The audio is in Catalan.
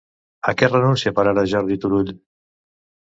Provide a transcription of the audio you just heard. A què renuncia per ara Jordi Turull?